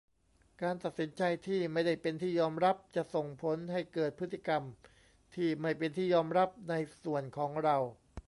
การตัดสินใจที่ไม่ได้เป็นที่ยอมรับจะส่งผลให้เกิดพฤติกรรมที่ไม่เป็นที่ยอมรับในส่วนของเรา